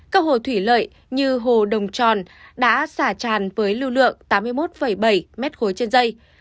các hồ thủy lợi như hồ đồng tròn đã xả tràn với lưu lượng tám mươi một bảy m ba trên dây